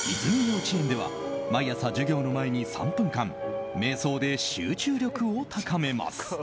幼稚園では毎朝、授業の前に３分間瞑想で集中力を高めます。